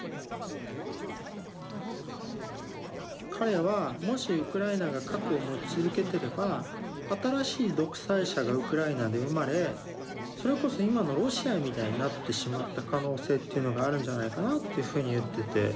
彼はもしウクライナが核を持ち続けてれば新しい独裁者がウクライナで生まれそれこそ今のロシアみたいになってしまった可能性っていうのがあるんじゃないかなっていうふうに言ってて。